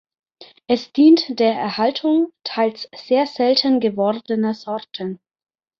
Es dient der Erhaltung teils sehr selten gewordener Sorten.